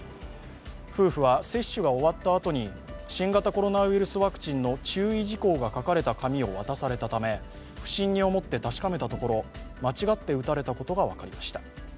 夫婦は接種が終わったあとに新型コロナウイルスワクチンの注意事項が書かれた紙を渡されたため不審に思って確かめたところ間違って打たれたことが分かりました。